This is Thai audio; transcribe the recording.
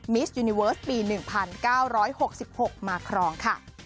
สยูนิเวิร์สปี๑๙๖๖มาครองค่ะ